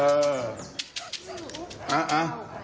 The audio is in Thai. เอา